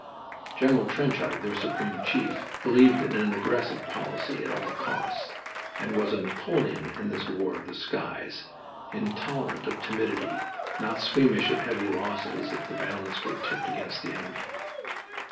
General Trenchard, their supreme chief, believed in an aggressive policy at all costs, and was a Napoleon in this war of the skies, intolerant of timidity, not squeamish of heavy losses if the balance were tipped against the enemy.